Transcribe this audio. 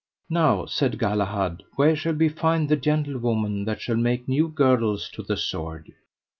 Now, said Galahad, where shall we find the gentlewoman that shall make new girdles to the sword?